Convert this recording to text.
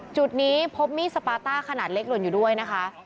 จุดนี้พบมีดสปาต้าขนาดเล็กหล่นอยู่ด้วยนะคะ